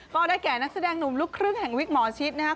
ก็ได้แก่นักแสดงหนุ่มลูกครึ่งแห่งวิกหมอชิดนะครับ